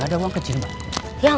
gak ada uang kecil basketball